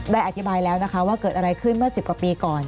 อธิบายแล้วนะคะว่าเกิดอะไรขึ้นเมื่อ๑๐กว่าปีก่อน